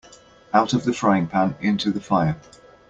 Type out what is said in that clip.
Out of the frying pan into the fire.